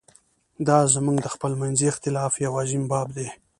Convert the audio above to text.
دا زموږ د خپلمنځي اختلاف یو عظیم باب دی.